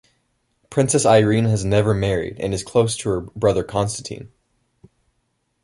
Princess Irene has never married and is close to her brother, Constantine.